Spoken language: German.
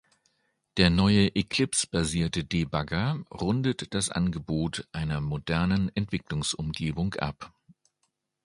Der neue Eclipse-basierte Debugger rundet das Angebot einer modernen Entwicklungsumgebung ab.